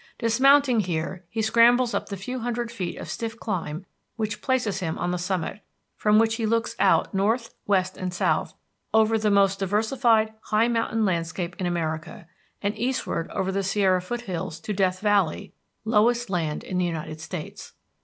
Dismounting here, he scrambles up the few hundred feet of stiff climb which places him on the summit, from which he looks out north, west, and south over the most diversified high mountain landscape in America, and eastward over the Sierra foothills to Death Valley, lowest land in the United States.